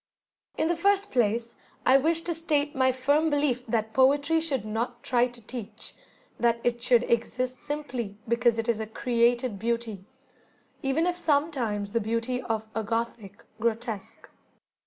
In the first place, I wish to state my firm belief that poetry should not try to teach, that it should exist simply because it is a created beauty, even if sometimes the beauty of a gothic grotesque.